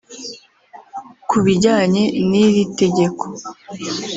Ku bijyanye n’iri tegeko